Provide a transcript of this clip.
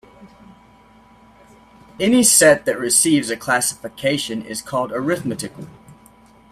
Any set that receives a classification is called arithmetical.